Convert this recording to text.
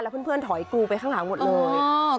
เพื่อนถอยกรูไปข้างหลังหมดเลย